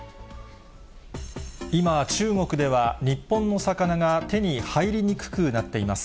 今、中国では、日本の魚が手に入りにくくなっています。